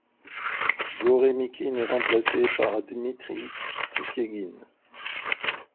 Goremykine est remplacé par Dmitri Sipiaguine.